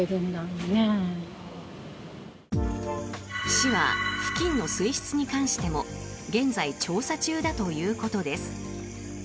市は付近の水質に関しても現在、調査中だということです。